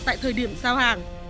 tại thời điểm giao hàng